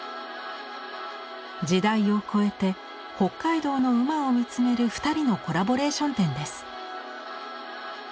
時代を超えて北海道の馬を見つめる２人のコラボレーション展です。